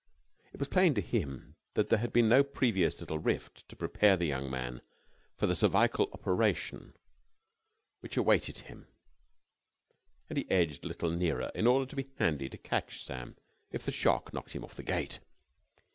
It was plain to him that there had been no previous little rift to prepare the young man for the cervical operation which awaited him, and he edged a little nearer, in order to be handy to catch Sam if the shock knocked him off the gate.